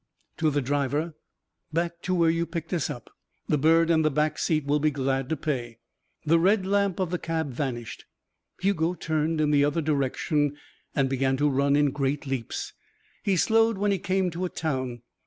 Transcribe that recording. To the driver: "Back to where you picked us up. The bird in the back seat will be glad to pay." The red lamp of the cab vanished. Hugo turned in the other direction and began to run in great leaps. He slowed when he came to a town.